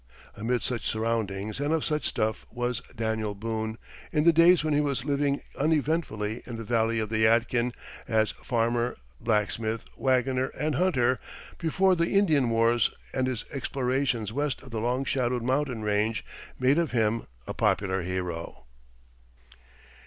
Amid such surroundings and of such stuff was Daniel Boone in the days when he was living uneventfully in the valley of the Yadkin as farmer, blacksmith, wagoner, and hunter, before the Indian wars and his explorations west of the long shadowed mountain range made of him a popular hero.